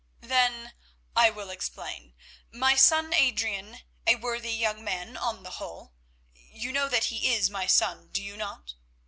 "Then I will explain. My son Adrian, a worthy young man on the whole—you know that he is my son, do you not?